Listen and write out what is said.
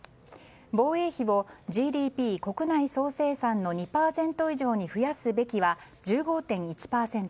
防衛費をＧＤＰ・国内総生産の２％以上に増やすべきは１５．１％。